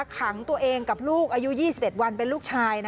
ขังตัวเองกับลูกอายุ๒๑วันเป็นลูกชาย